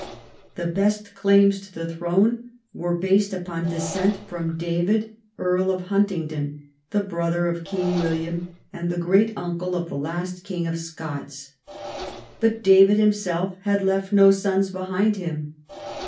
The best claims to the throne were based upon descent from David, Earl of Huntingdon, the brother of King William, and the great uncle of the last King of Scots. But David himself had left no sons behind him.